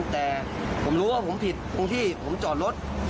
แต่ผมรู้ว่าผมผิดตรงที่ผมจอดรถ